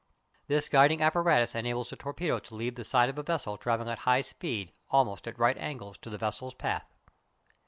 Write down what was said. This guiding apparatus enables a torpedo to leave the side of a vessel travelling at high speed almost at right angles to the vessel's path.